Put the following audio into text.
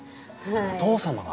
お父様が？